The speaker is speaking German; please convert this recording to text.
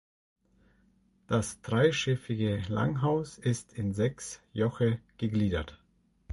Das dreischiffige Langhaus ist in sechs Joche gegliedert.